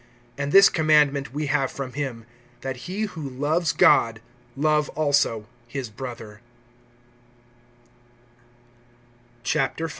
(21)And this commandment we have from him, that he who loves God love also his brother.